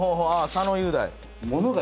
佐野雄大。